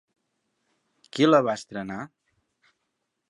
Qui la va estrenar?